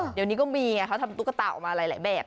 เดี๋ยวนี้ก็มีไงเขาทำตุ๊กตาออกมาหลายแบบ